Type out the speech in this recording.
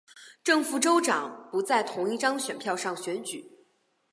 正副州长不在同一张选票上选举。